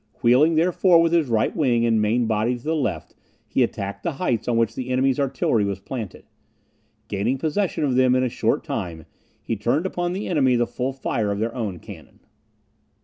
Wheeling, therefore, with his right wing and main body to the left, he attacked the heights on which the enemy's artillery was planted. Gaining possession of them in a short time, he turned upon the enemy the full fire of their own cannon.